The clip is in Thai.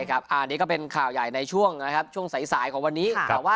ใช่ครับอันนี้ก็เป็นข่าวใหญ่ในช่วงนะครับช่วงสายของวันนี้